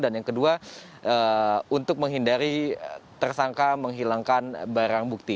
dan yang kedua untuk menghindari tersangka menghilangkan barang bukti